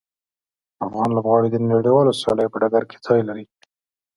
افغان لوبغاړي د نړیوالو سیالیو په ډګر کې ځای لري.